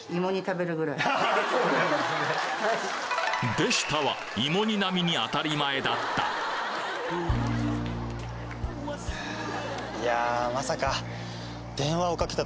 「でした」は芋煮並みに当たり前だったいやまさか電話をかけた